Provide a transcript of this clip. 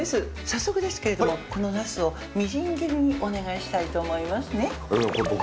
早速ですけれどもこの茄子をみじん切りにお願いしたいと思いますねでも僕